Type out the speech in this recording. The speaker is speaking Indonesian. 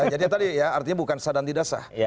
jadi tadi ya artinya bukan sadar dan tidak sah